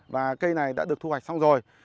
và cây này đã được thu hoạch xong rồi